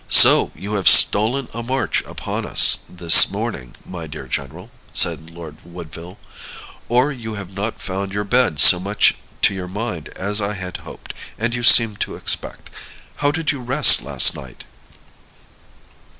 "So you have stolen a march upon us this morning, my dear general," said Lord Woodville; "or you have not found your bed so much to your mind as I had hoped and you seemed to expect. How did you rest last night?"